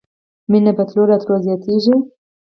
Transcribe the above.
مینه په تلو راتلو زیاتیږي